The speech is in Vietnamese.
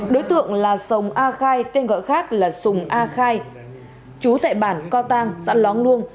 đối tượng là sồng a khai tên gọi khác là sùng a khai chú tại bản co tăng xã lóng luông